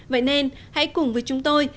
vậy nên hãy cùng với chúng tôi